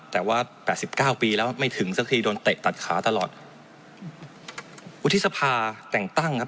แต่ว่าแปดสิบเก้าปีแล้วไม่ถึงสักทีโดนเตะตัดขาตลอดวุฒิสภาแต่งตั้งครับ